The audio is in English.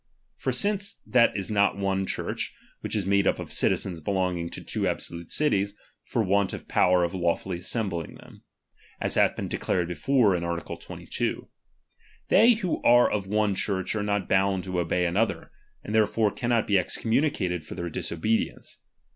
For since that is not one Church, which is made up of citizens belonging to two absolute cities, for want of power of lawfully assembling them, {as hath been declared before, in art, 22) ; they who are of one Church are not bound to obey another, and therefore cannot be excommunicated for their disobedience.